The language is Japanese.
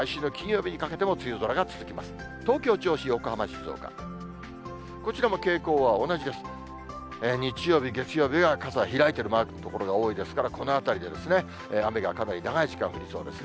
日曜日、月曜日は傘開いているマークの所が多いですから、このあたりで雨がかなり長い時間降りそうですね。